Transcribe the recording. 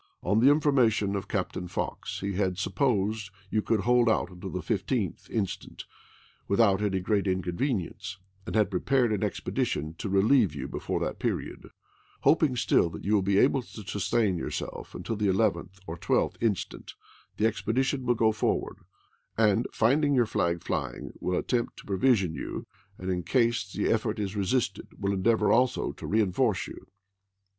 On the information of Captain Fox he had supposed you could hold out till the 15th inst. without any great inconvenience ; and had prepared an expedition to relieve you before that period. Hoping stdl that you will be able to sustain yourself till the 11th or 12th inst., the expedition will go forward; and, finding your flag flying, will attempt to provision you, and, in case the effort is resisted, will endeavor also to reenforce you.